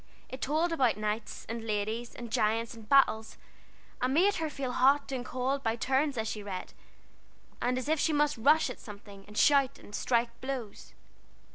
It told about knights, and ladies, and giants, and battles, and made her feel hot and cold by turns as she read, and as if she must rush at something, and shout, and strike blows.